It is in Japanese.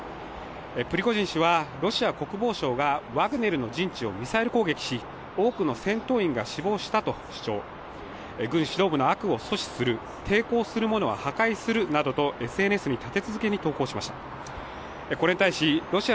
プリゴジン氏はロシア国防省がワグネルの陣地をミサイル攻撃し、多くの戦闘員が死亡したと主張、軍指導部の悪を阻止する、抵抗するものは破壊するとＳＮＳに立て続けに投稿しました。